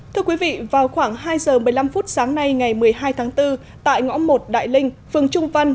thưa quý vị vào khoảng hai giờ một mươi năm phút sáng nay ngày một mươi hai tháng bốn tại ngõ một đại linh phường trung văn